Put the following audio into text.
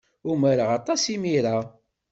Umareɣ aṭas imir-a.